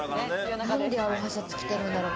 なんでアロハシャツ着てるんだろう。